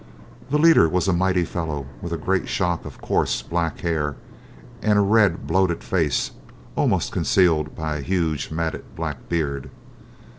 The leader was a mighty fellow with a great shock of coarse black hair and a red, bloated face almost concealed by a huge matted black beard.